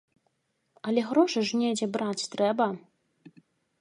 Але грошы ж недзе браць трэба!